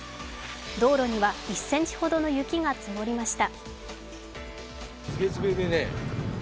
道路には１ｃｍほどの雪が積もりました。